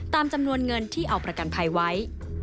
ตามจำนวนเงินที่เอาประกันภัยไว้